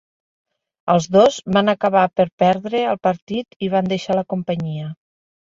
Els dos van acabar per perdre el partit i van deixar la companyia.